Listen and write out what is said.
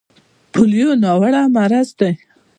پولیو ناوړه مرض دی.